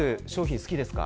お好きですか。